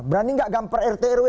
berani nggak gampar rt rw